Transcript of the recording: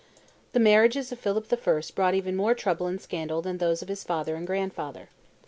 The marriages of Philip I. brought even more trouble and scandal than those of his father and grandfather.